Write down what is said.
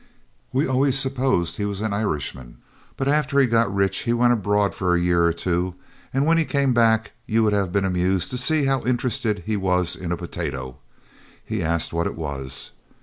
We always supposed he was an Irishman, but after he got rich he went abroad for a year or two, and when he came back you would have been amused to see how interested he was in a potato. He asked what it was!